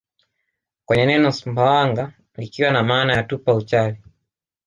kwenye neno Sumbu wanga likiwa na maana ya tupa uchawi